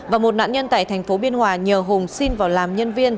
và một nạn nhân tại tp biên hòa nhờ hùng xin vào làm nhân viên